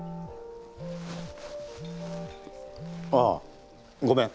ああごめん。